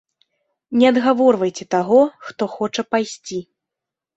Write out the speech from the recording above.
Не адгаворвайце таго, хто хоча пайсці.